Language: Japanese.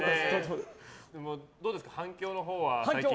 どうですか、反響のほうは最近。